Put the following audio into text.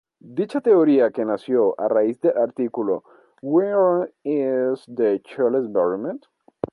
Dicha teoría, que nació a raíz del artículo ""Where is the child's environment?